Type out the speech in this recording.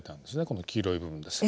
この黄色い部分です。